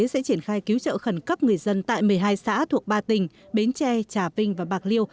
sẽ triển khai cứu trợ khẩn cấp người dân tại một mươi hai xã thuộc ba tỉnh bến tre trà vinh và bạc liêu